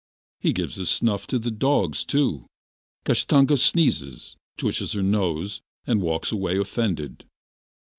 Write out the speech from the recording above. He gives his snuff to the dogs, too. Kashtanka sneezes, twitches her nose, and walks away offended.